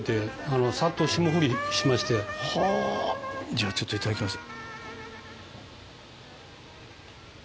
はぁじゃあちょっといただきます。